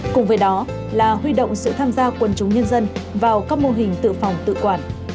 cùng với đó là huy động sự tham gia quân chúng nhân dân vào các mô hình tự phòng tự quản